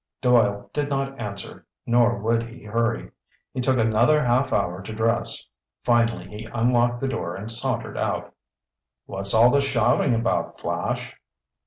Doyle did not answer, nor would he hurry. He took another half hour to dress. Finally be unlocked the door and sauntered out. "What's all the shouting about, Flash?"